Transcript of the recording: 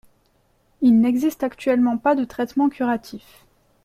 Il n'existe actuellement pas de traitement curatif.